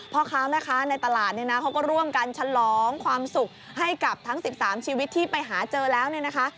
พ่อค้าแม่ค้าในตลาดเนี่ยนะเขาก็ร่วมกันฉลองความสุขให้กับทั้ง๑๓ชีวิตที่ไปหาเจอแล้วเนี่ยนะคะ